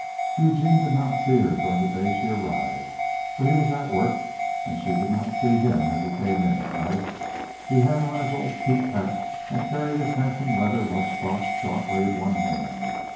Eugene did not see her during the day she arrived, for he was at work; and she did not see him as he came in at night. He had on his old peaked hat and carried his handsome leather lunch box jauntily in one hand.